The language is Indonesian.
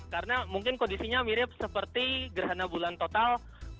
karena mungkin kondisinya mirip seperti gerhana bulan total dua ribu delapan belas